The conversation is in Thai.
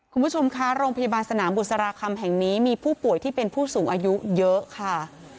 คุณผู้ชมคะโรงพยาบาลสนามบุษราคำแห่งนี้มีผู้ป่วยที่เป็นผู้สูงอายุเยอะค่ะ